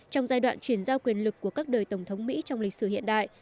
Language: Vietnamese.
trong giai đoạn chuyển giao quyền lực của các đời tổng thống mỹ trong lịch sử hiện đại